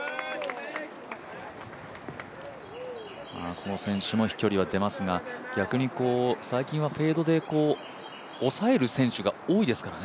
この選手も飛距離は出ますが逆に最近はフェードで、抑える選手が多いですからね。